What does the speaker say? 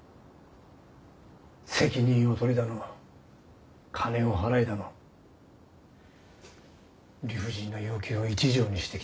責任を取れだの金を払えだの理不尽な要求を一条にしてきたんだ。